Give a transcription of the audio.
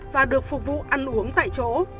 và được phục vụ ăn uống tại chỗ